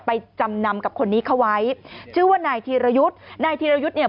จำนำกับคนนี้เขาไว้ชื่อว่านายธีรยุทธ์นายธีรยุทธ์เนี่ย